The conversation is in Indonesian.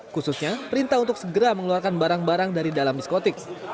khususnya perintah untuk segera mengeluarkan barang barang dari dalam diskotik